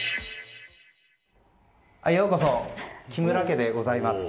ようこそ、木村家でございます。